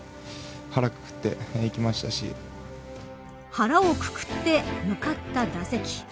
腹をくくって向かった打席。